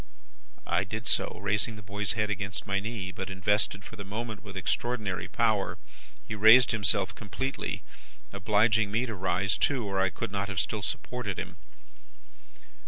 "I did so, raising the boy's head against my knee. But, invested for the moment with extraordinary power, he raised himself completely: obliging me to rise too, or I could not have still supported him.